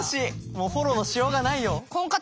もうフォローのしようがないよ。